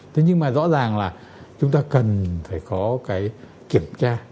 thế nhưng mà rõ ràng là chúng ta cần phải có cái kiểm tra